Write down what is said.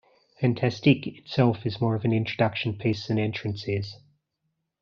"Fantastique" itself is more of an introduction piece than "Entrance" is.